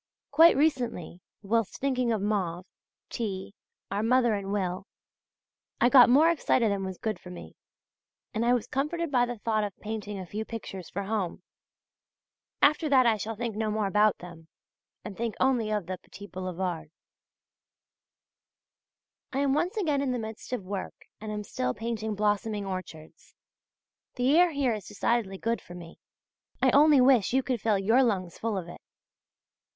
Quite recently, whilst thinking of Mauve, T., our mother and Will, I got more excited than was good for me, and I was comforted by the thought of painting a few pictures for home. After that I shall think no more about them, and think only of the petit boulevard. I am once again in the midst of work and am still painting blossoming orchards. The air here is decidedly good for me, I only wish you could fill your lungs full of it.